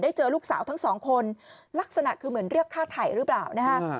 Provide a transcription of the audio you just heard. เจอลูกสาวทั้งสองคนลักษณะคือเหมือนเรียกฆ่าไถ่หรือเปล่านะฮะ